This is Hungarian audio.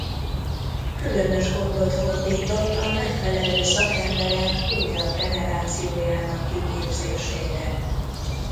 Különös gondot fordított a megfelelő szakemberek újabb generációjának kiképzésére.